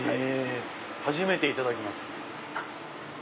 初めていただきます。